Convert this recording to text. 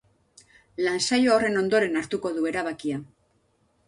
Lan saio horren ondoren hartuko du erabakia.